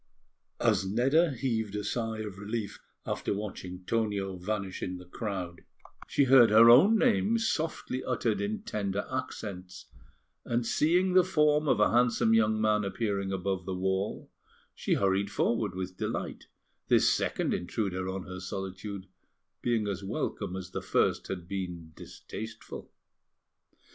As Nedda heaved a sigh of relief after watching Tonio vanish in the crowd, she heard her own name softly uttered in tender accents; and, seeing the form of a handsome young man appearing above the wall, she hurried forward with delight, this second intruder on her solitude being as welcome as the first had been distasteful.